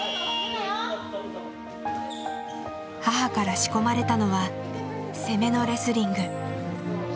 母から仕込まれたのは「攻め」のレスリング。